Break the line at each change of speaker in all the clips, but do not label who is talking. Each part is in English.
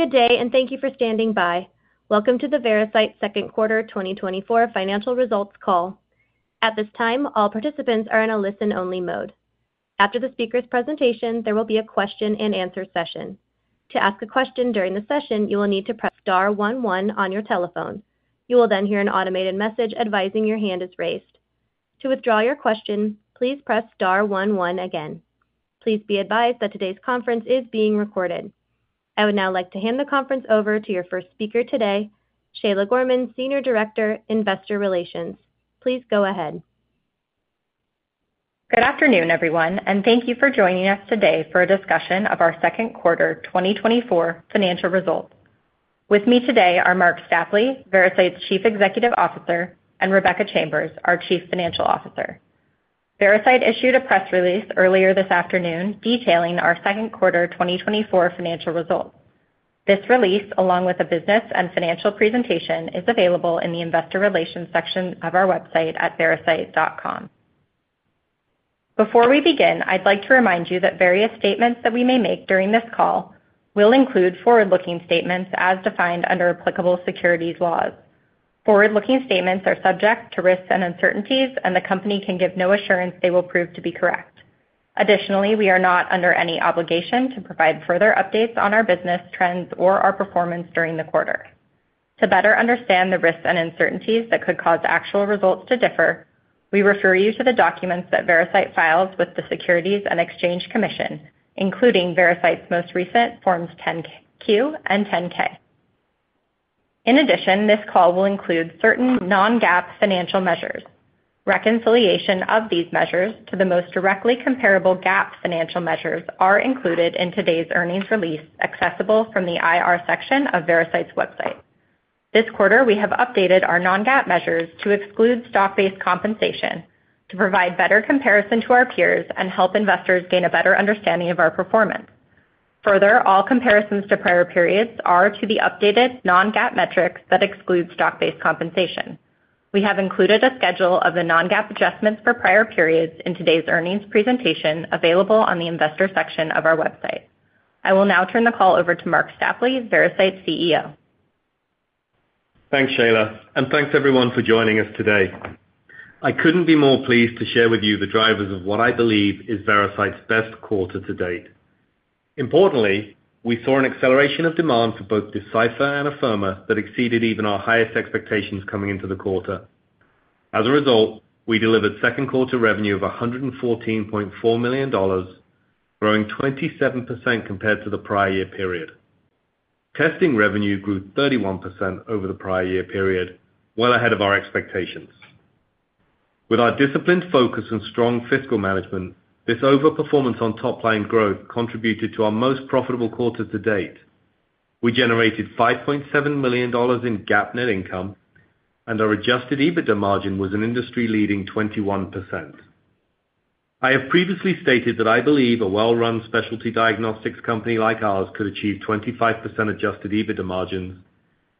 Good day, and thank you for standing by. Welcome to the Veracyte Second Quarter 2024 Financial Results Call. At this time, all participants are in a listen-only mode. After the speaker's presentation, there will be a question-and-answer session. To ask a question during the session, you will need to press *11 on your telephone. You will then hear an automated message advising your hand is raised. To withdraw your question, please press *11 again. Please be advised that today's conference is being recorded. I would now like to hand the conference over to your first speaker today, Sheila Gorman, Senior Director, Investor Relations. Please go ahead.
Good afternoon, everyone, and thank you for joining us today for a discussion of our Second Quarter 2024 Financial Results. With me today are Marc Stapley, Veracyte's Chief Executive Officer, and Rebecca Chambers, our Chief Financial Officer. Veracyte issued a press release earlier this afternoon detailing our Second Quarter 2024 financial results. This release, along with a business and financial presentation, is available in the Investor Relations section of our website at veracyte.com. Before we begin, I'd like to remind you that various statements that we may make during this call will include forward-looking statements as defined under applicable securities laws. Forward-looking statements are subject to risks and uncertainties, and the company can give no assurance they will prove to be correct. Additionally, we are not under any obligation to provide further updates on our business trends or our performance during the quarter. To better understand the risks and uncertainties that could cause actual results to differ, we refer you to the documents that Veracyte files with the Securities and Exchange Commission, including Veracyte's most recent Forms 10-Q and 10-K. In addition, this call will include certain non-GAAP financial measures. Reconciliation of these measures to the most directly comparable GAAP financial measures is included in today's earnings release accessible from the IR section of Veracyte's website. This quarter, we have updated our non-GAAP measures to exclude stock-based compensation to provide better comparison to our peers and help investors gain a better understanding of our performance. Further, all comparisons to prior periods are to the updated non-GAAP metrics that exclude stock-based compensation. We have included a schedule of the non-GAAP adjustments for prior periods in today's earnings presentation available on the investor section of our website. I will now turn the call over to Marc Stapley, Veracyte CEO.
Thanks, Shayla, and thanks everyone for joining us today. I couldn't be more pleased to share with you the drivers of what I believe is Veracyte's best quarter to date. Importantly, we saw an acceleration of demand for both Decipher and Afirma that exceeded even our highest expectations coming into the quarter. As a result, we delivered second quarter revenue of $114.4 million, growing 27% compared to the prior year period. Testing revenue grew 31% over the prior year period, well ahead of our expectations. With our disciplined focus and strong fiscal management, this overperformance on top-line growth contributed to our most profitable quarter to date. We generated $5.7 million in GAAP net income, and our adjusted EBITDA margin was an industry-leading 21%. I have previously stated that I believe a well-run specialty diagnostics company like ours could achieve 25% adjusted EBITDA margins,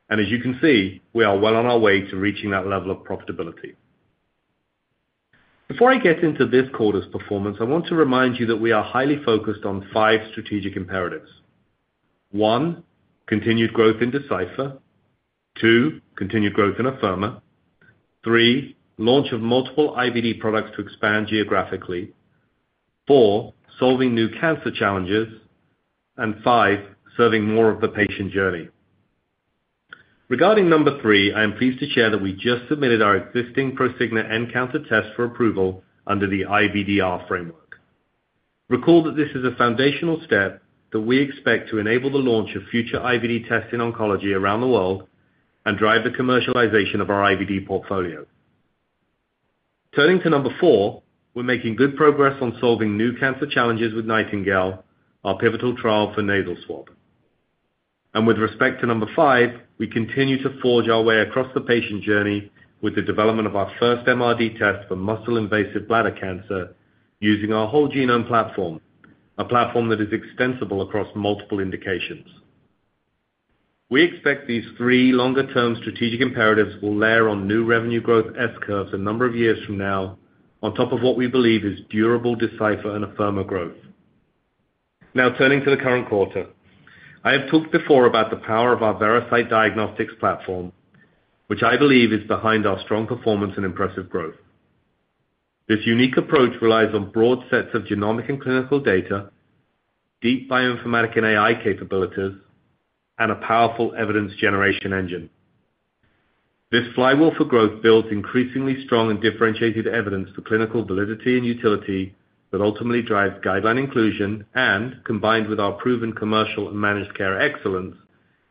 and as you can see, we are well on our way to reaching that level of profitability. Before I get into this quarter's performance, I want to remind you that we are highly focused on five strategic imperatives. One, continued growth in Decipher. Two, continued growth in Afirma. Three, launch of multiple IVD products to expand geographically. Four, solving new cancer challenges. And five, serving more of the patient journey. Regarding number three, I am pleased to share that we just submitted our existing Prosigna breast cancer test for approval under the IVDR framework. Recall that this is a foundational step that we expect to enable the launch of future IVD tests in oncology around the world and drive the commercialization of our IVD portfolio. Turning to number 4, we're making good progress on solving new cancer challenges with Nightingale, our pivotal trial for nasal swab. With respect to number 5, we continue to forge our way across the patient journey with the development of our first MRD test for muscle-invasive bladder cancer using our whole genome platform, a platform that is extensible across multiple indications. We expect these 3 longer-term strategic imperatives will layer on new revenue growth S curves a number of years from now on top of what we believe is durable Decipher and Afirma growth. Now, turning to the current quarter, I have talked before about the power of our Veracyte Diagnostics platform, which I believe is behind our strong performance and impressive growth. This unique approach relies on broad sets of genomic and clinical data, deep bioinformatic and AI capabilities, and a powerful evidence generation engine. This flywheel for growth builds increasingly strong and differentiated evidence for clinical validity and utility that ultimately drives guideline inclusion and, combined with our proven commercial and managed care excellence,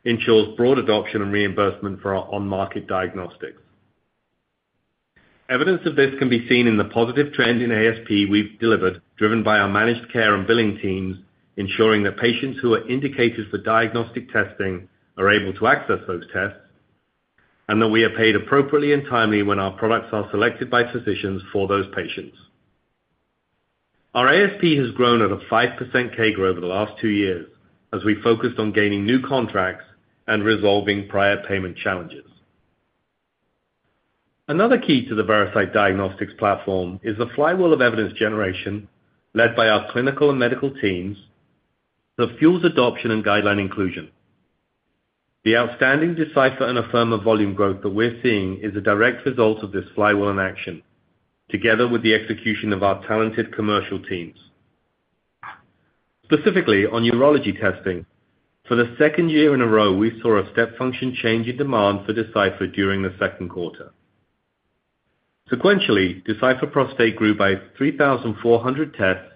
ensures broad adoption and reimbursement for our on-market diagnostics. Evidence of this can be seen in the positive trend in ASP we've delivered, driven by our managed care and billing teams ensuring that patients who are indicated for diagnostic testing are able to access those tests and that we are paid appropriately and timely when our products are selected by physicians for those patients. Our ASP has grown at a 5% CAGR over the last two years as we focused on gaining new contracts and resolving prior payment challenges. Another key to the Veracyte Diagnostics platform is the flywheel of evidence generation led by our clinical and medical teams that fuels adoption and guideline inclusion. The outstanding Decipher and Afirma volume growth that we're seeing is a direct result of this flywheel in action, together with the execution of our talented commercial teams. Specifically, on urology testing, for the second year in a row, we saw a step function change in demand for Decipher during the second quarter. Sequentially, Decipher Prostate grew by 3,400 tests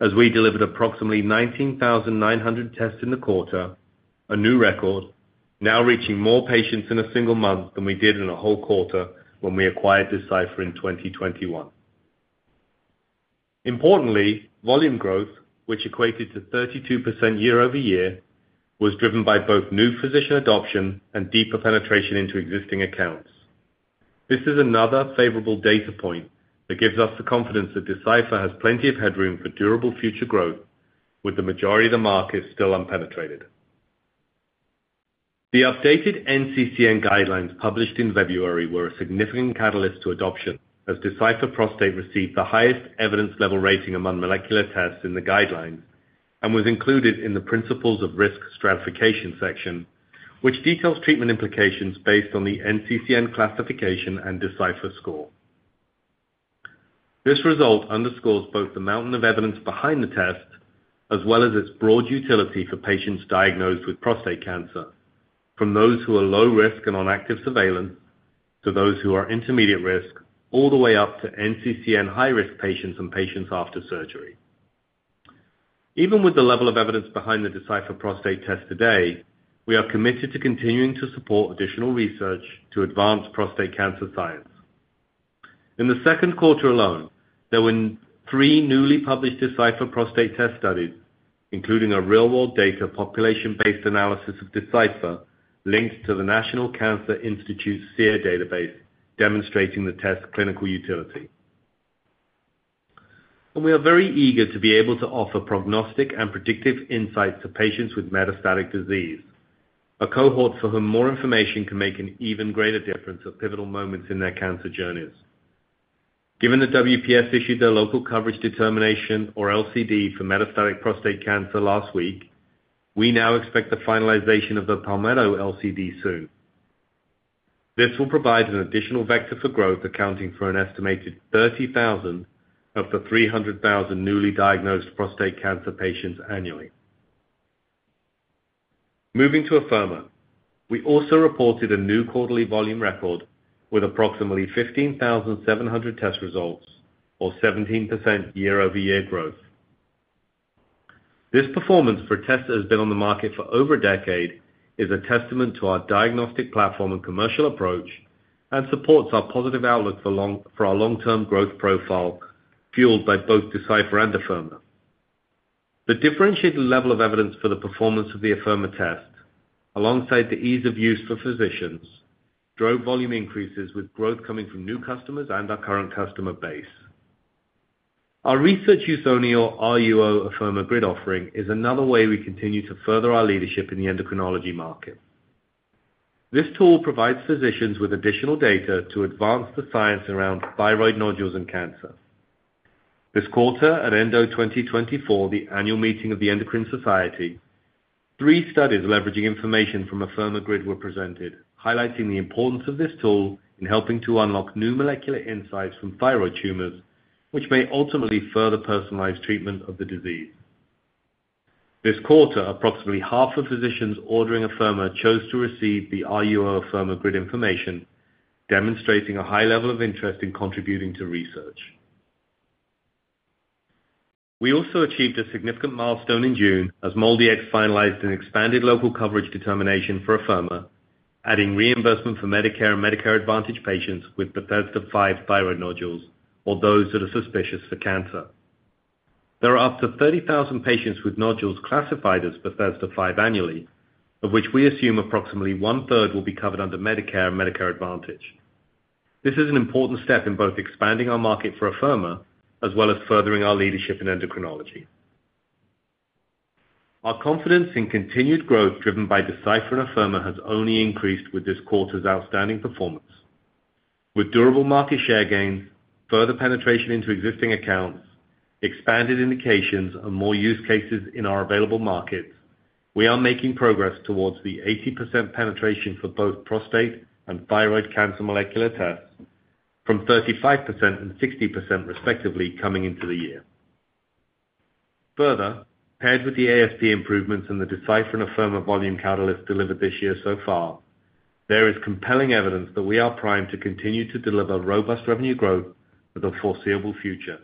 as we delivered approximately 19,900 tests in the quarter, a new record, now reaching more patients in a single month than we did in a whole quarter when we acquired Decipher in 2021. Importantly, volume growth, which equated to 32% year-over-year, was driven by both new physician adoption and deeper penetration into existing accounts. This is another favorable data point that gives us the confidence that Decipher has plenty of headroom for durable future growth, with the majority of the market still unpenetrated. The updated NCCN guidelines published in February were a significant catalyst to adoption as Decipher Prostate received the highest evidence-level rating among molecular tests in the guidelines and was included in the principles of risk stratification section, which details treatment implications based on the NCCN classification and Decipher score. This result underscores both the mountain of evidence behind the tests as well as its broad utility for patients diagnosed with prostate cancer, from those who are low risk and on active surveillance to those who are intermediate risk, all the way up to NCCN high-risk patients and patients after surgery. Even with the level of evidence behind the Decipher Prostate test today, we are committed to continuing to support additional research to advance prostate cancer science. In the second quarter alone, there were 3 newly published Decipher Prostate test studies, including a real-world data population-based analysis of Decipher linked to the National Cancer Institute's SEER database, demonstrating the test's clinical utility. We are very eager to be able to offer prognostic and predictive insights to patients with metastatic disease, a cohort for whom more information can make an even greater difference at pivotal moments in their cancer journeys. Given that WPS issued their local coverage determination, or LCD, for metastatic prostate cancer last week, we now expect the finalization of the Palmetto LCD soon. This will provide an additional vector for growth, accounting for an estimated 30,000 of the 300,000 newly diagnosed prostate cancer patients annually. Moving to Afirma, we also reported a new quarterly volume record with approximately 15,700 test results, or 17% year-over-year growth. This performance for tests that have been on the market for over a decade is a testament to our diagnostic platform and commercial approach and supports our positive outlook for our long-term growth profile fueled by both Decipher and Afirma. The differentiated level of evidence for the performance of the Afirma test, alongside the ease of use for physicians, drove volume increases with growth coming from new customers and our current customer base. Our research-use-only, RUO Afirma GRID offering is another way we continue to further our leadership in the endocrinology market. This tool provides physicians with additional data to advance the science around thyroid nodules and cancer. This quarter, at ENDO 2024, the annual meeting of the Endocrine Society, three studies leveraging information from Afirma GRID were presented, highlighting the importance of this tool in helping to unlock new molecular insights from thyroid tumors, which may ultimately further personalize treatment of the disease. This quarter, approximately half of physicians ordering Afirma chose to receive the RUO Afirma GRID information, demonstrating a high level of interest in contributing to research. We also achieved a significant milestone in June as MolDX finalized an expanded local coverage determination for Afirma, adding reimbursement for Medicare and Medicare Advantage patients with Bethesda V thyroid nodules, or those that are suspicious for cancer. There are up to 30,000 patients with nodules classified as Bethesda V annually, of which we assume approximately one-third will be covered under Medicare and Medicare Advantage. This is an important step in both expanding our market for Afirma as well as furthering our leadership in endocrinology. Our confidence in continued growth driven by Decipher and Afirma has only increased with this quarter's outstanding performance. With durable market share gains, further penetration into existing accounts, expanded indications, and more use cases in our available markets, we are making progress towards the 80% penetration for both prostate and thyroid cancer molecular tests from 35% and 60% respectively coming into the year. Further, paired with the ASP improvements and the Decipher and Afirma volume catalyst delivered this year so far, there is compelling evidence that we are primed to continue to deliver robust revenue growth for the foreseeable future,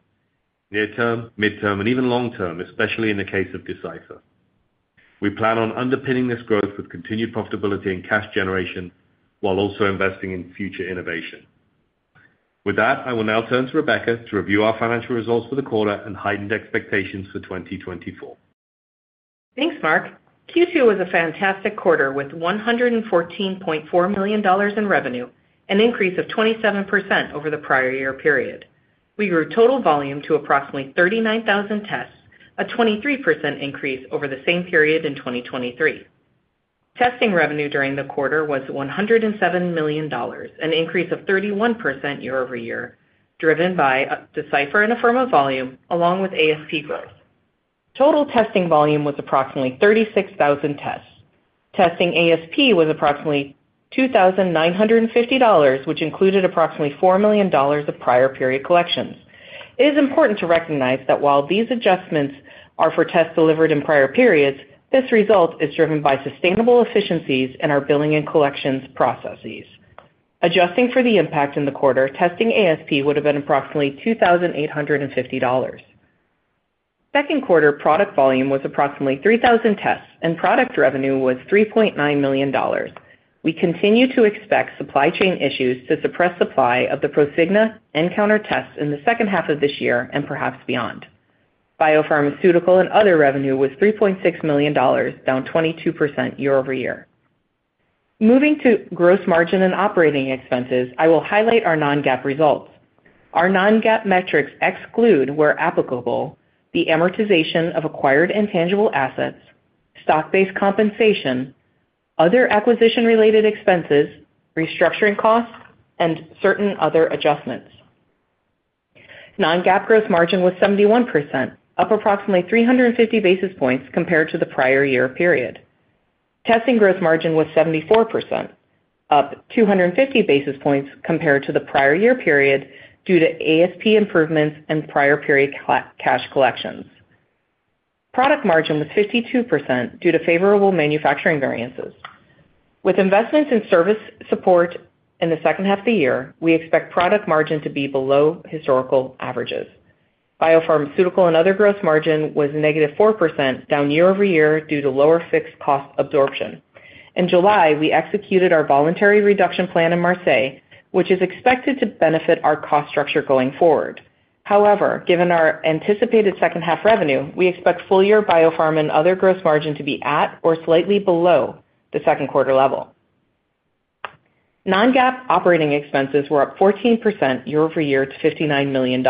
near-term, midterm, and even long-term, especially in the case of Decipher. We plan on underpinning this growth with continued profitability and cash generation while also investing in future innovation. With that, I will now turn to Rebecca to review our financial results for the quarter and heightened expectations for 2024.
Thanks, Marc. Q2 was a fantastic quarter with $114.4 million in revenue, an increase of 27% over the prior year period. We grew total volume to approximately 39,000 tests, a 23% increase over the same period in 2023. Testing revenue during the quarter was $107 million, an increase of 31% year-over-year, driven by Decipher and Afirma volume along with ASP growth. Total testing volume was approximately 36,000 tests. Testing ASP was approximately $2,950, which included approximately $4 million of prior period collections. It is important to recognize that while these adjustments are for tests delivered in prior periods, this result is driven by sustainable efficiencies in our billing and collections processes. Adjusting for the impact in the quarter, testing ASP would have been approximately $2,850. Second quarter product volume was approximately 3,000 tests, and product revenue was $3.9 million. We continue to expect supply chain issues to suppress supply of the ProSigna nCounter tests in the second half of this year and perhaps beyond. Biopharmaceutical and other revenue was $3.6 million, down 22% year-over-year. Moving to gross margin and operating expenses, I will highlight our non-GAAP results. Our non-GAAP metrics exclude, where applicable, the amortization of acquired intangible assets, stock-based compensation, other acquisition-related expenses, restructuring costs, and certain other adjustments. Non-GAAP gross margin was 71%, up approximately 350 basis points compared to the prior year period. Testing gross margin was 74%, up 250 basis points compared to the prior year period due to ASP improvements and prior period cash collections. Product margin was 52% due to favorable manufacturing variances. With investments in service support in the second half of the year, we expect product margin to be below historical averages. Biopharmaceutical and other gross margin was -4%, down year-over-year due to lower fixed cost absorption. In July, we executed our voluntary reduction plan in Marseille, which is expected to benefit our cost structure going forward. However, given our anticipated second half revenue, we expect full year biopharma and other gross margin to be at or slightly below the second quarter level. Non-GAAP operating expenses were up 14% year-over-year to $59 million.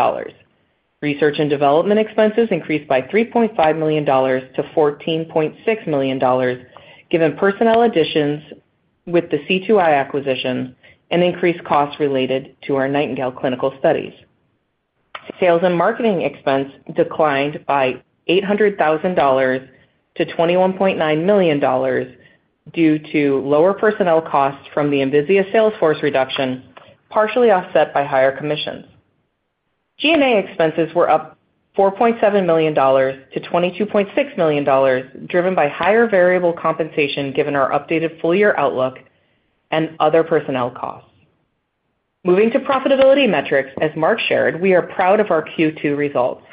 Research and development expenses increased by $3.5 million to $14.6 million, given personnel additions with the C2i acquisition and increased costs related to our Nightingale clinical studies. Sales and marketing expense declined by $800,000 to $21.9 million due to lower personnel costs from the Envisia sales force reduction, partially offset by higher commissions. G&A expenses were up $4.7 million to $22.6 million, driven by higher variable compensation given our updated full year outlook and other personnel costs. Moving to profitability metrics, as Marc shared, we are proud of our Q2 results.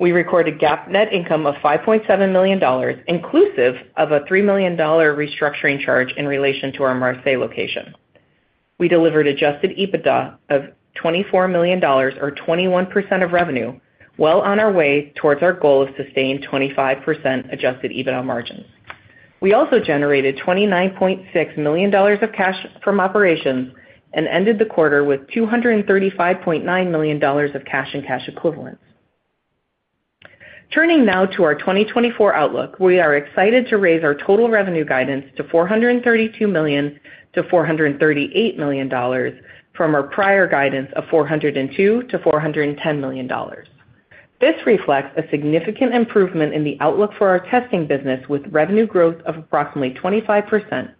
We recorded GAAP net income of $5.7 million, inclusive of a $3 million restructuring charge in relation to our Marseille location. We delivered Adjusted EBITDA of $24 million, or 21% of revenue, well on our way towards our goal of sustained 25% Adjusted EBITDA margins. We also generated $29.6 million of cash from operations and ended the quarter with $235.9 million of cash and cash equivalents. Turning now to our 2024 outlook, we are excited to raise our total revenue guidance to $432 million-$438 million from our prior guidance of $402 million-$410 million. This reflects a significant improvement in the outlook for our testing business with revenue growth of approximately 25%, a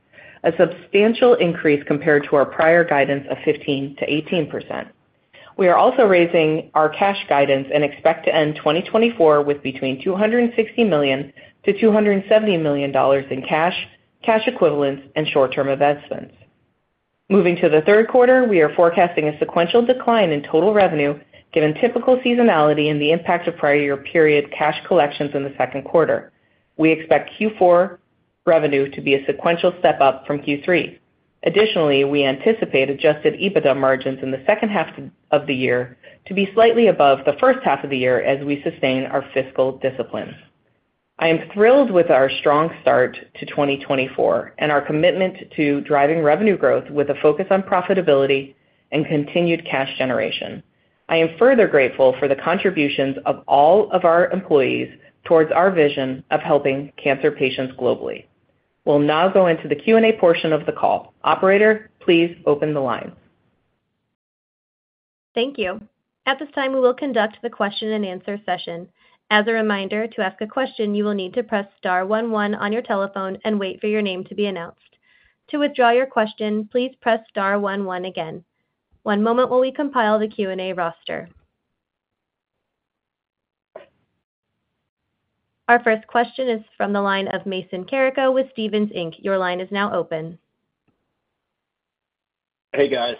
substantial increase compared to our prior guidance of 15%-18%. We are also raising our cash guidance and expect to end 2024 with between $260 million-$270 million in cash, cash equivalents, and short-term investments. Moving to the third quarter, we are forecasting a sequential decline in total revenue given typical seasonality and the impact of prior year period cash collections in the second quarter. We expect Q4 revenue to be a sequential step up from Q3. Additionally, we anticipate adjusted EBITDA margins in the second half of the year to be slightly above the first half of the year as we sustain our fiscal discipline. I am thrilled with our strong start to 2024 and our commitment to driving revenue growth with a focus on profitability and continued cash generation. I am further grateful for the contributions of all of our employees towards our vision of helping cancer patients globally. We'll now go into the Q&A portion of the call. Operator, please open the line.
Thank you. At this time, we will conduct the question and answer session. As a reminder, to ask a question, you will need to press star 11 on your telephone and wait for your name to be announced. To withdraw your question, please press star 11 again. One moment while we compile the Q&A roster. Our first question is from the line of Mason Carico with Stephens Inc. Your line is now open.
Hey, guys.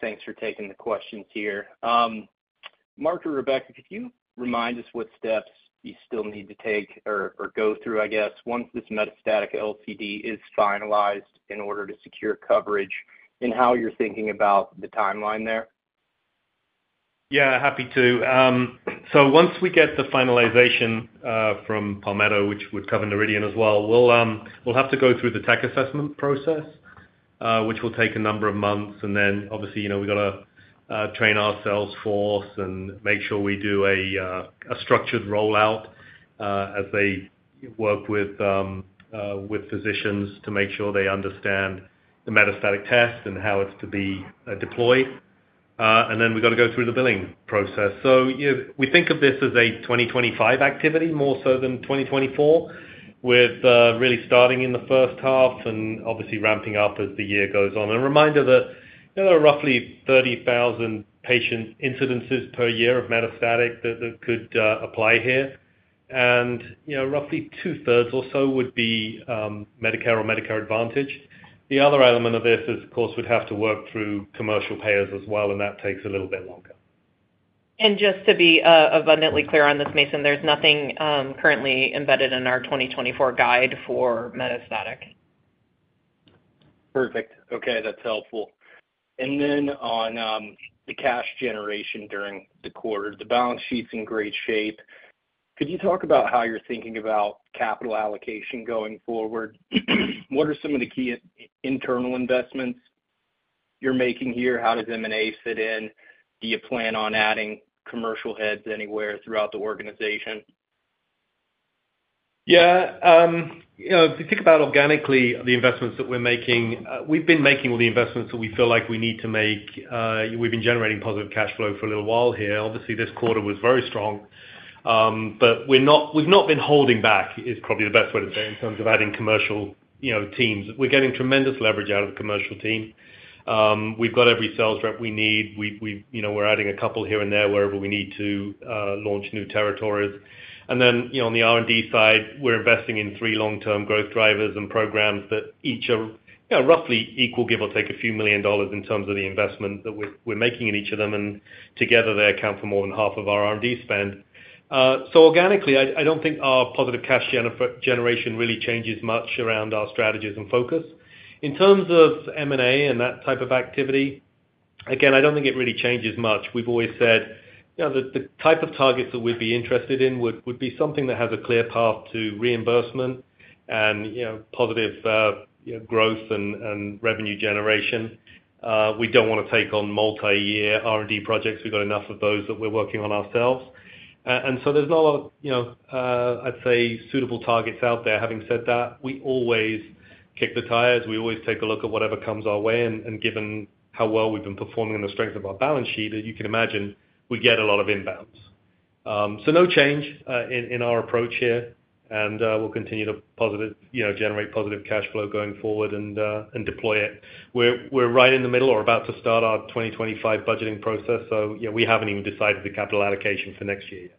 Thanks for taking the questions here. Marc or Rebecca, could you remind us what steps you still need to take or go through, I guess, once this metastatic LCD is finalized in order to secure coverage and how you're thinking about the timeline there?
Yeah, happy to. So once we get the finalization from Palmetto, which would cover Noridian as well, we'll have to go through the tech assessment process, which will take a number of months. And then, obviously, we've got to train our sales force and make sure we do a structured rollout as they work with physicians to make sure they understand the metastatic test and how it's to be deployed. And then we've got to go through the billing process. So we think of this as a 2025 activity more so than 2024, with really starting in the first half and obviously ramping up as the year goes on. And a reminder that there are roughly 30,000 patient incidences per year of metastatic that could apply here. And roughly two-thirds or so would be Medicare or Medicare Advantage. The other element of this, of course, would have to work through commercial payers as well, and that takes a little bit longer.
Just to be abundantly clear on this, Mason, there's nothing currently embedded in our 2024 guide for metastatic.
Perfect. Okay, that's helpful. And then on the cash generation during the quarter, the balance sheet's in great shape. Could you talk about how you're thinking about capital allocation going forward? What are some of the key internal investments you're making here? How does M&A fit in? Do you plan on adding commercial heads anywhere throughout the organization?
Yeah. If you think about organically the investments that we're making, we've been making all the investments that we feel like we need to make. We've been generating positive cash flow for a little while here. Obviously, this quarter was very strong. But we've not been holding back, is probably the best way to say it, in terms of adding commercial teams. We're getting tremendous leverage out of the commercial team. We've got every sales rep we need. We're adding a couple here and there wherever we need to launch new territories. And then on the R&D side, we're investing in three long-term growth drivers and programs that each are roughly equal, give or take a few million dollars in terms of the investment that we're making in each of them. And together, they account for more than half of our R&D spend. Organically, I don't think our positive cash generation really changes much around our strategies and focus. In terms of M&A and that type of activity, again, I don't think it really changes much. We've always said the type of targets that we'd be interested in would be something that has a clear path to reimbursement and positive growth and revenue generation. We don't want to take on multi-year R&D projects. We've got enough of those that we're working on ourselves. And so there's not a lot, I'd say, suitable targets out there. Having said that, we always kick the tires. We always take a look at whatever comes our way. And given how well we've been performing and the strength of our balance sheet, as you can imagine, we get a lot of inbounds. No change in our approach here. We'll continue to generate positive cash flow going forward and deploy it. We're right in the middle or about to start our 2025 budgeting process. We haven't even decided the capital allocation for next year yet.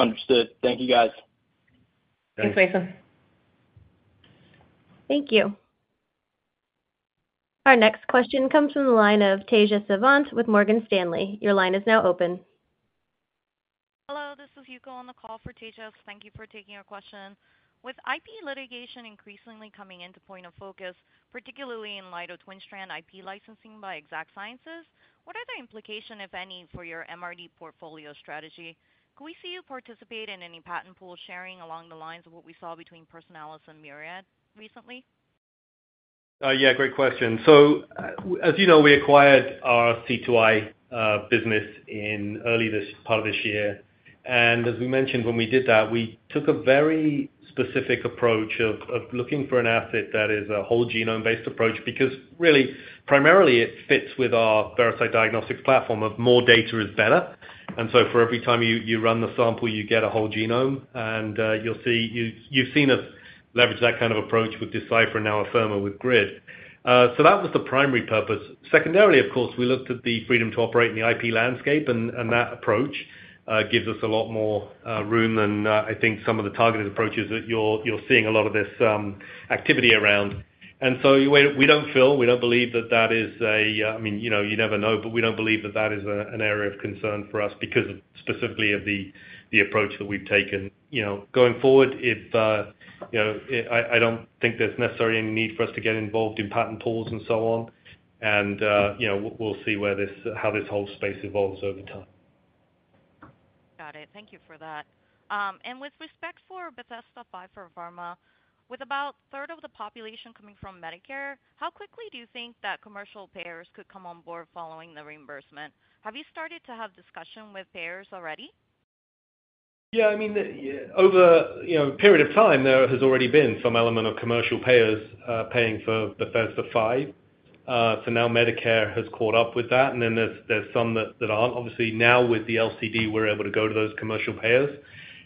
Understood. Thank you, guys.
Thanks, Mason.
Thank you. Our next question comes from the line of Tejas Savant with Morgan Stanley. Your line is now open.
Hello, this is Yuko on the call for Tejas. Thank you for taking our question. With IP litigation increasingly coming into point of focus, particularly in light of TwinStrand IP licensing by Exact Sciences, what are the implications, if any, for your MRD portfolio strategy? Could we see you participate in any patent pool sharing along the lines of what we saw between Personalis and Myriad recently?
Yeah, great question. So as you know, we acquired our C2i business in early this part of this year. And as we mentioned, when we did that, we took a very specific approach of looking for an asset that is a whole genome-based approach because really, primarily, it fits with our Veracyte diagnostic platform of more data is better. And so for every time you run the sample, you get a whole genome. And you've seen us leverage that kind of approach with Decipher and now Afirma with Grid. So that was the primary purpose. Secondarily, of course, we looked at the freedom to operate in the IP landscape, and that approach gives us a lot more room than, I think, some of the targeted approaches that you're seeing a lot of this activity around. We don't believe that that is—I mean, you never know, but we don't believe that that is an area of concern for us because specifically of the approach that we've taken. Going forward, I don't think there's necessarily any need for us to get involved in patent pools and so on. We'll see how this whole space evolves over time.
Got it. Thank you for that. With respect to Bethesda V by pharma, with about a third of the population coming from Medicare, how quickly do you think that commercial payers could come on board following the reimbursement? Have you started to have discussion with payers already?
Yeah. I mean, over a period of time, there has already been some element of commercial payers paying for Bethesda V. So now Medicare has caught up with that. And then there's some that aren't. Obviously, now with the LCD, we're able to go to those commercial payers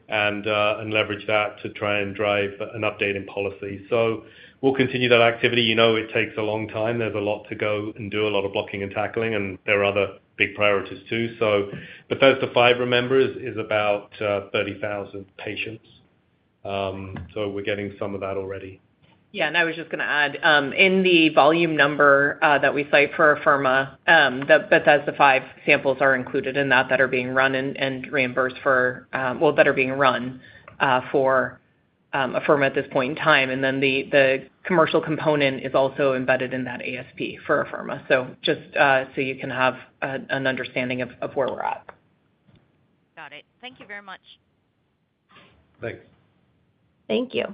and leverage that to try and drive an update in policy. So we'll continue that activity. You know it takes a long time. There's a lot to go and do, a lot of blocking and tackling, and there are other big priorities too. So Bethesda V, remember, is about 30,000 patients. So we're getting some of that already.
Yeah. I was just going to add, in the volume number that we cite for Afirma, the Bethesda V samples are included in that that are being run and reimbursed for, well, that are being run for Afirma at this point in time. And then the commercial component is also embedded in that ASP for Afirma. So just so you can have an understanding of where we're at.
Got it. Thank you very much.
Thanks.
Thank you.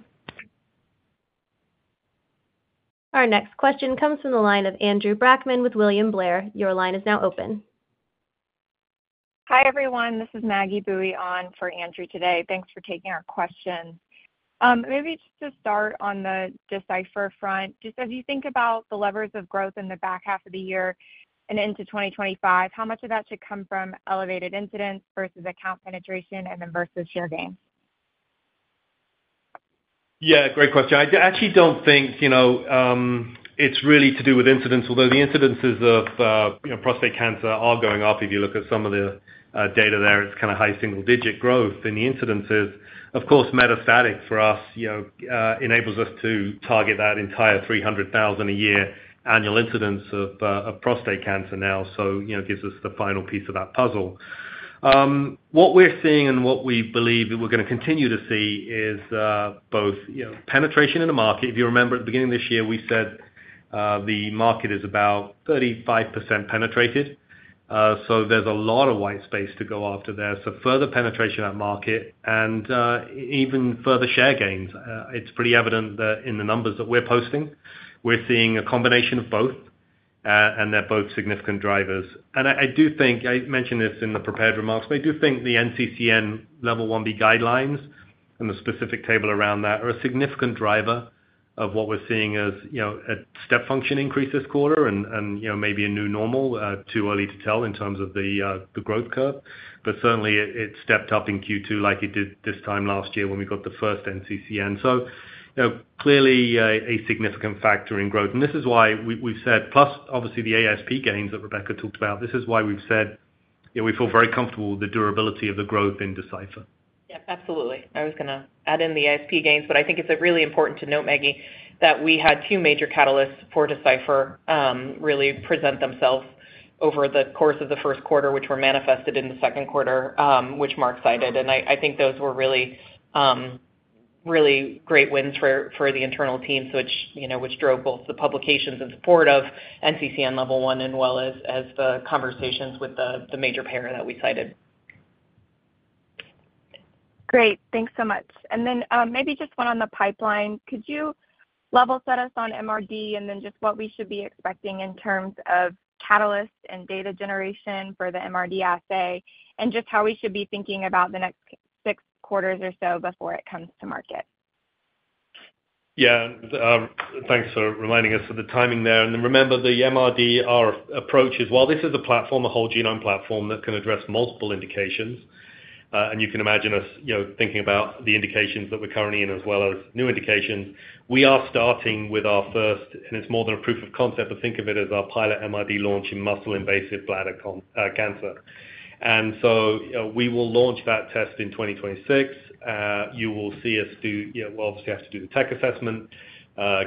Our next question comes from the line of Andrew Brackman with William Blair. Your line is now open.
Hi, everyone. This is Maggie Boeye on for Andrew today. Thanks for taking our questions. Maybe just to start on the Decipher front, just as you think about the levers of growth in the back half of the year and into 2025, how much of that should come from elevated incidence versus account penetration and then versus share gains?
Yeah, great question. I actually don't think it's really to do with incidences, although the incidences of prostate cancer are going up. If you look at some of the data there, it's kind of high single-digit growth in the incidences. Of course, metastatic for us enables us to target that entire 300,000 a year annual incidence of prostate cancer now. So it gives us the final piece of that puzzle. What we're seeing and what we believe we're going to continue to see is both penetration in the market. If you remember, at the beginning of this year, we said the market is about 35% penetrated. So there's a lot of white space to go after there. So further penetration of that market and even further share gains. It's pretty evident that in the numbers that we're posting, we're seeing a combination of both, and they're both significant drivers. And I do think I mentioned this in the prepared remarks, but I do think the NCCN Level 1B guidelines and the specific table around that are a significant driver of what we're seeing as a step function increase this quarter and maybe a new normal. Too early to tell in terms of the growth curve. But certainly, it stepped up in Q2 like it did this time last year when we got the first NCCN. So clearly, a significant factor in growth. And this is why we've said, plus obviously the ASP gains that Rebecca talked about, this is why we've said we feel very comfortable with the durability of the growth in Decipher.
Yeah, absolutely. I was going to add in the ASP gains, but I think it's really important to note, Maggie, that we had two major catalysts for Decipher really present themselves over the course of the first quarter, which were manifested in the second quarter, which Marc cited. And I think those were really great wins for the internal team, which drove both the publications in support of NCCN Level 1 as well as the conversations with the major payer that we cited.
Great. Thanks so much. And then maybe just one on the pipeline. Could you level set us on MRD and then just what we should be expecting in terms of catalysts and data generation for the MRD assay and just how we should be thinking about the next six quarters or so before it comes to market?
Yeah. Thanks for reminding us of the timing there. And then remember, the MRD approach is, while this is a platform, a whole genome platform that can address multiple indications. And you can imagine us thinking about the indications that we're currently in as well as new indications. We are starting with our first, and it's more than a proof of concept, but think of it as our pilot MRD launch in muscle-invasive bladder cancer. And so we will launch that test in 2026. You will see us do. We'll obviously have to do the tech assessment,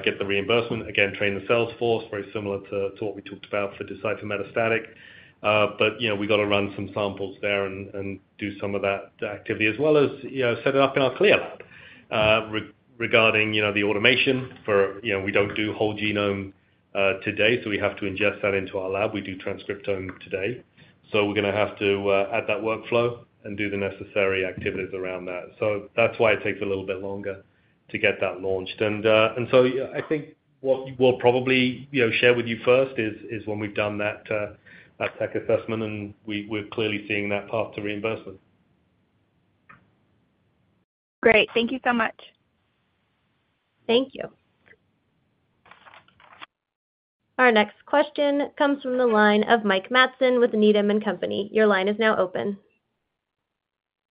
get the reimbursement, again, train the sales force, very similar to what we talked about for Decipher metastatic. But we've got to run some samples there and do some of that activity as well as set it up in our CLIA lab regarding the automation. We don't do whole genome today, so we have to ingest that into our lab. We do transcriptome today. So we're going to have to add that workflow and do the necessary activities around that. So that's why it takes a little bit longer to get that launched. And so I think what we'll probably share with you first is when we've done that tech assessment, and we're clearly seeing that path to reimbursement.
Great. Thank you so much.
Thank you. Our next question comes from the line of Mike Matson with Needham & Company. Your line is now open.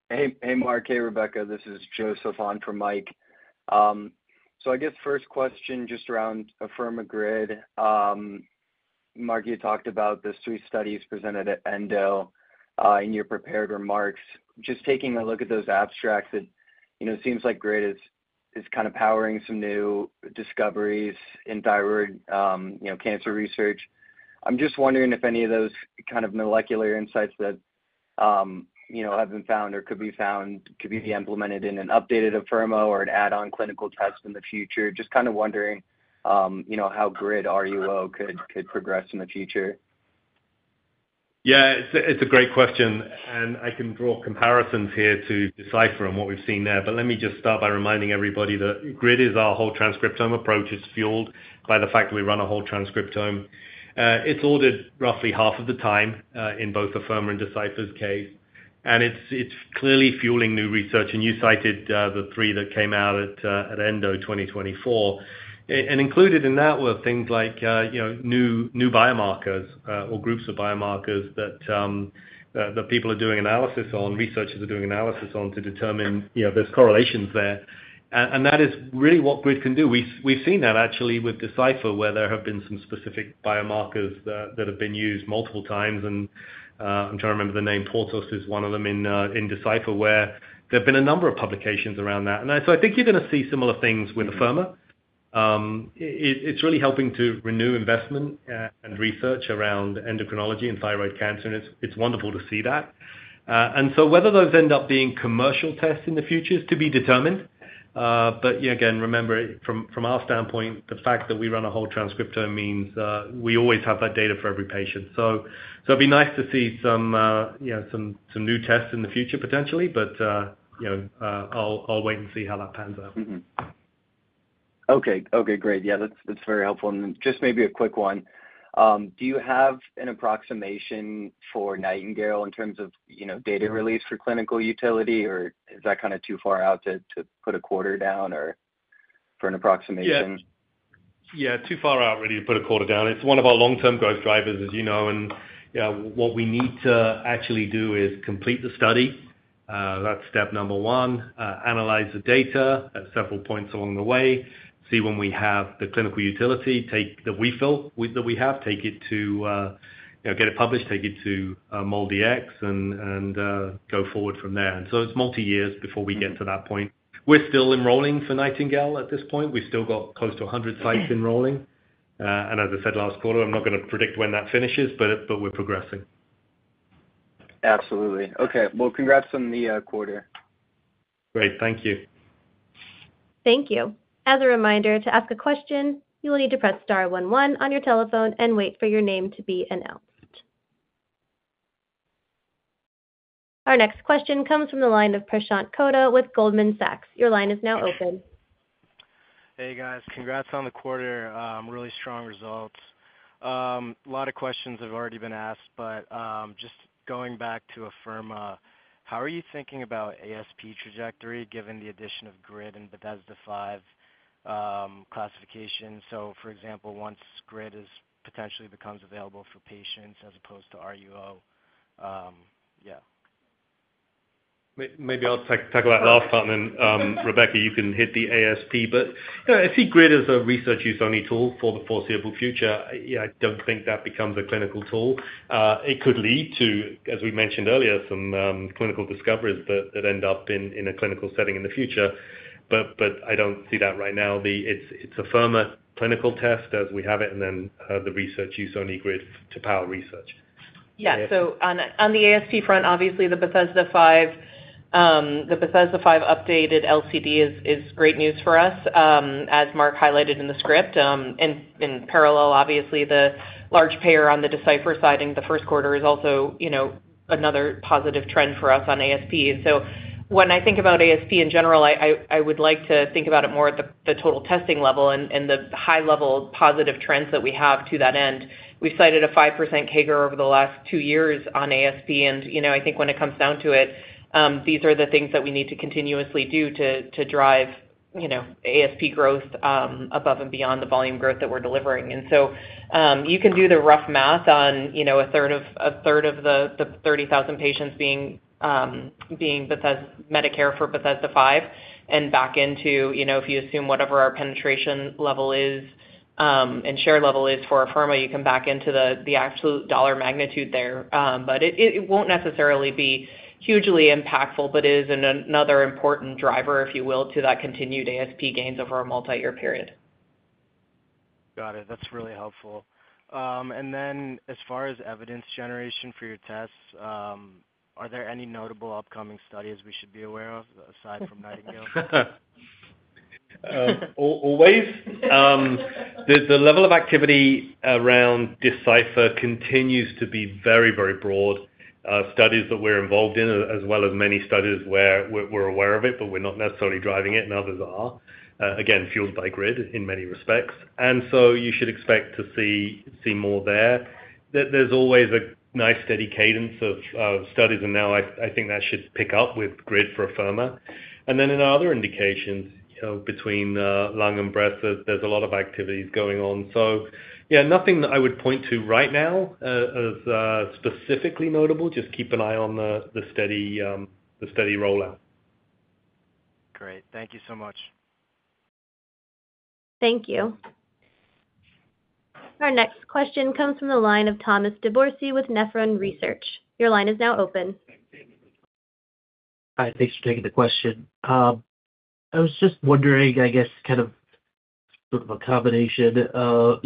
Hey, Marc. Hey, Rebecca. This is Joseph on for Mike. So I guess first question just around Afirma GRID. Marc, you talked about the three studies presented at Endo in your prepared remarks. Just taking a look at those abstracts, it seems like Grid is kind of powering some new discoveries in thyroid cancer research. I'm just wondering if any of those kind of molecular insights that have been found or could be found could be implemented in an updated Afirma or an add-on clinical test in the future. Just kind of wondering how Grid RUO could progress in the future.
Yeah, it's a great question. And I can draw comparisons here to Decipher and what we've seen there. But let me just start by reminding everybody that Grid is our whole transcriptome approach. It's fueled by the fact that we run a whole transcriptome. It's ordered roughly half of the time in both Afirma and Decipher's case. And it's clearly fueling new research. And you cited the three that came out at Endo 2024. And included in that were things like new biomarkers or groups of biomarkers that people are doing analysis on, researchers are doing analysis on to determine there's correlations there. And that is really what Grid can do. We've seen that actually with Decipher, where there have been some specific biomarkers that have been used multiple times. And I'm trying to remember the name. Prosigna is one of them in Decipher, where there have been a number of publications around that. And so I think you're going to see similar things with Afirma. It's really helping to renew investment and research around endocrinology and thyroid cancer. And it's wonderful to see that. And so whether those end up being commercial tests in the future is to be determined. But again, remember, from our standpoint, the fact that we run a whole transcriptome means we always have that data for every patient. So it'd be nice to see some new tests in the future, potentially. But I'll wait and see how that pans out.
Okay. Okay. Great. Yeah, that's very helpful. And just maybe a quick one. Do you have an approximation for Nightingale in terms of data release for clinical utility, or is that kind of too far out to put a quarter down or for an approximation?
Yeah. Yeah, too far out really to put a quarter down. It's one of our long-term growth drivers, as you know. What we need to actually do is complete the study. That's step number one. Analyze the data at several points along the way. See when we have the clinical utility. Take the results that we have. Take it to get it published. Take it to MolDX and go forward from there. So it's multi-year before we get to that point. We're still enrolling for Nightingale at this point. We've still got close to 100 sites enrolling. As I said last quarter, I'm not going to predict when that finishes, but we're progressing.
Absolutely. Okay. Well, congrats on the quarter.
Great. Thank you.
Thank you. As a reminder, to ask a question, you will need to press star 11 on your telephone and wait for your name to be announced. Our next question comes from the line of Prashant Koota with Goldman Sachs. Your line is now open.
Hey, guys. Congrats on the quarter. Really strong results. A lot of questions have already been asked, but just going back to Afirma, how are you thinking about ASP trajectory given the addition of Grid and Bethesda 5 classification? So for example, once Grid potentially becomes available for patients as opposed to RUO. Yeah.
Maybe I'll talk about that last one. And Rebecca, you can hit the ASP. But I see Grid as a research-use-only tool for the foreseeable future. I don't think that becomes a clinical tool. It could lead to, as we mentioned earlier, some clinical discoveries that end up in a clinical setting in the future. But I don't see that right now. It's Afirma clinical test as we have it, and then the research-use-only Grid to power research.
Yeah. So on the ASP front, obviously, the Bethesda V updated LCD is great news for us, as Marc highlighted in the script. In parallel, obviously, the large payer on the Decipher side in the first quarter is also another positive trend for us on ASP. So when I think about ASP in general, I would like to think about it more at the total testing level and the high-level positive trends that we have to that end. We've cited a 5% CAGR over the last two years on ASP. I think when it comes down to it, these are the things that we need to continuously do to drive ASP growth above and beyond the volume growth that we're delivering. So you can do the rough math on a third of the 30,000 patients being Medicare for Bethesda V and back into if you assume whatever our penetration level is and share level is for Afirma, you can back into the absolute dollar magnitude there. But it won't necessarily be hugely impactful, but it is another important driver, if you will, to that continued ASP gains over a multi-year period.
Got it. That's really helpful. And then as far as evidence generation for your tests, are there any notable upcoming studies we should be aware of aside from Nightingale?
Always. The level of activity around Decipher continues to be very, very broad. Studies that we're involved in, as well as many studies where we're aware of it, but we're not necessarily driving it, and others are. Again, fueled by Grid in many respects. And so you should expect to see more there. There's always a nice steady cadence of studies, and now I think that should pick up with Grid for Afirma. And then in other indications between lung and breast, there's a lot of activities going on. So yeah, nothing that I would point to right now as specifically notable. Just keep an eye on the steady rollout.
Great. Thank you so much.
Thank you. Our next question comes from the line of Thomas D'Ovidio with Nephron Research. Your line is now open.
Hi. Thanks for taking the question. I was just wondering, I guess, kind of sort of a combination of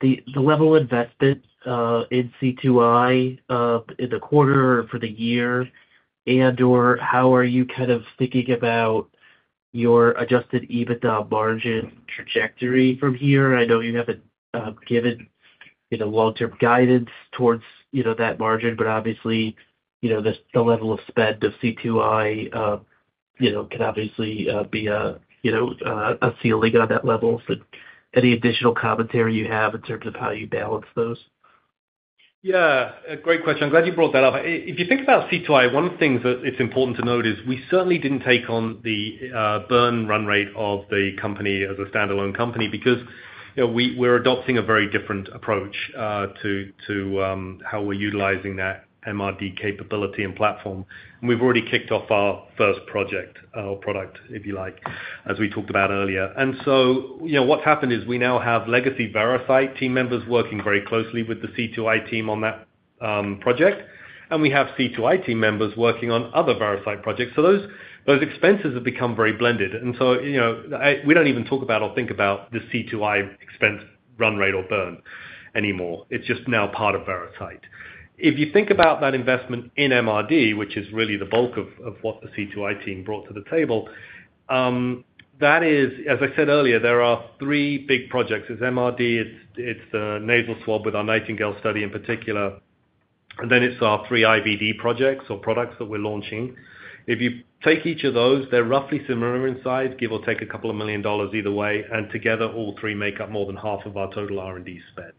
the level of investment in C2I in the quarter or for the year, and/or how are you kind of thinking about your Adjusted EBITDA margin trajectory from here? I know you haven't given long-term guidance towards that margin, but obviously, the level of spend of C2I can obviously be a ceiling on that level. So any additional commentary you have in terms of how you balance those?
Yeah. Great question. I'm glad you brought that up. If you think about C2I, one of the things that it's important to note is we certainly didn't take on the burn run rate of the company as a standalone company because we're adopting a very different approach to how we're utilizing that MRD capability and platform. And we've already kicked off our first project or product, if you like, as we talked about earlier. And so what's happened is we now have legacy Veracyte team members working very closely with the C2I team on that project. And we have C2I team members working on other Veracyte projects. So those expenses have become very blended. And so we don't even talk about or think about the C2I expense run rate or burn anymore. It's just now part of Veracyte. If you think about that investment in MRD, which is really the bulk of what the C2I team brought to the table, that is, as I said earlier, there are three big projects. It's MRD. It's the nasal swab with our Nightingale study in particular. And then it's our three IVD projects or products that we're launching. If you take each of those, they're roughly similar in size, give or take $2 million either way. And together, all three make up more than half of our total R&D spend.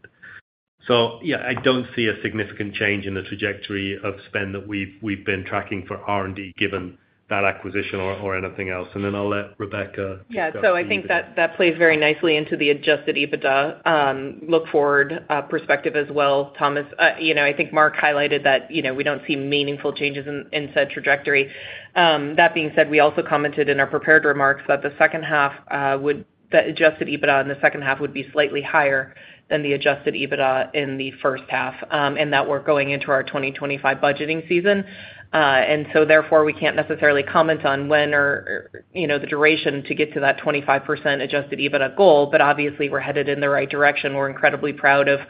So yeah, I don't see a significant change in the trajectory of spend that we've been tracking for R&D given that acquisition or anything else. And then I'll let Rebecca take that.
Yeah. So I think that plays very nicely into the Adjusted EBITDA look-forward perspective as well. Thomas, I think Marc highlighted that we don't see meaningful changes in said trajectory. That being said, we also commented in our prepared remarks that the Adjusted EBITDA in the second half would be slightly higher than the Adjusted EBITDA in the first half, and that we're going into our 2025 budgeting season. And so therefore, we can't necessarily comment on when or the duration to get to that 25% Adjusted EBITDA goal. But obviously, we're headed in the right direction. We're incredibly proud of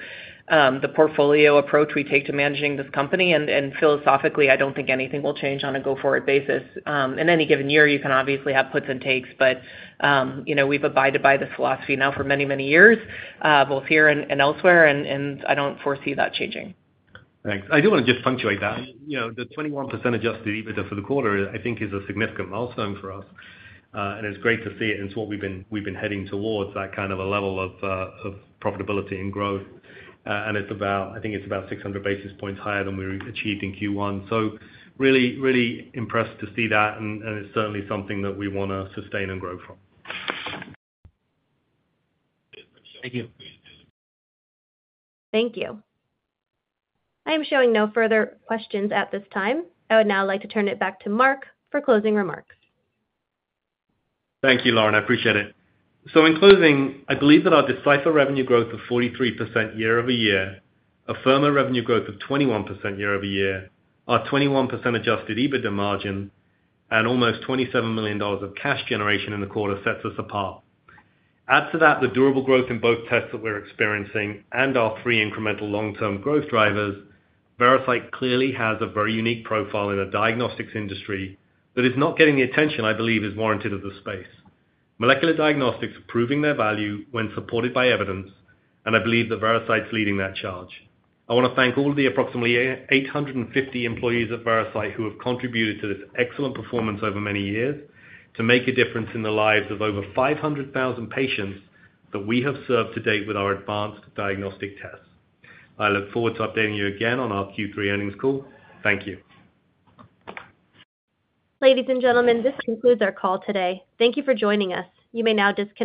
the portfolio approach we take to managing this company. And philosophically, I don't think anything will change on a go-forward basis. In any given year, you can obviously have puts and takes, but we've abided by this philosophy now for many, many years, both here and elsewhere, and I don't foresee that changing.
Thanks. I do want to just punctuate that. The 21% Adjusted EBITDA for the quarter, I think, is a significant milestone for us. It's great to see it. It's what we've been heading towards, that kind of a level of profitability and growth. I think it's about 600 basis points higher than we achieved in Q1. So really, really impressed to see that. It's certainly something that we want to sustain and grow from.
Thank you.
Thank you. I am showing no further questions at this time. I would now like to turn it back to Marc for closing remarks.
Thank you, Lauren. I appreciate it. So in closing, I believe that our Decipher revenue growth of 43% year-over-year, Afirma revenue growth of 21% year-over-year, our 21% adjusted EBITDA margin, and almost $27 million of cash generation in the quarter sets us apart. Add to that the durable growth in both tests that we're experiencing and our three incremental long-term growth drivers, Veracyte clearly has a very unique profile in the diagnostics industry that is not getting the attention, I believe, is warranted of the space. Molecular diagnostics are proving their value when supported by evidence, and I believe that Veracyte's leading that charge. I want to thank all of the approximately 850 employees at Veracyte who have contributed to this excellent performance over many years to make a difference in the lives of over 500,000 patients that we have served to date with our advanced diagnostic tests. I look forward to updating you again on our Q3 earnings call. Thank you.
Ladies and gentlemen, this concludes our call today. Thank you for joining us. You may now disconnect.